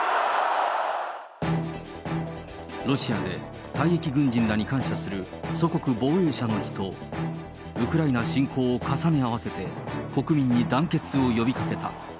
ロシアで退役軍人らに感謝する祖国防衛者の日と、ウクライナ侵攻を重ね合わせて、国民に団結を呼びかけた。